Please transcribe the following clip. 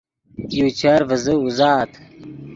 یو چر ڤیزے اوزات